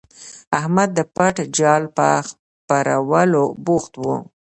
احمد د پټ جال په خپرولو بوخت وو.